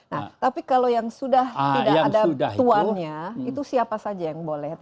nah tapi kalau yang sudah tidak ada tuannya itu siapa saja yang boleh